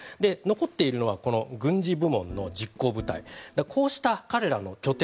残っているのはこの軍事部門の実行部隊こうした彼らの拠点